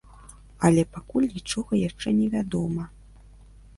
Але пакуль нічога яшчэ не вядома.